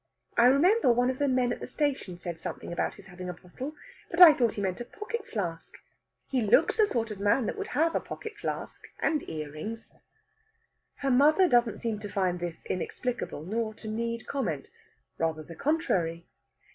I remember one of the men at the station said something about his having a bottle, but I thought he meant a pocket flask. He looks the sort of man that would have a pocket flask and earrings." Her mother doesn't seem to find this inexplicable, nor to need comment. Rather the contrary.